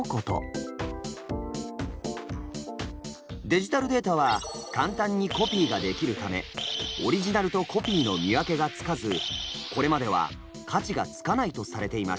デジタルデータは簡単にコピーができるためオリジナルとコピーの見分けがつかずこれまでは価値がつかないとされていました。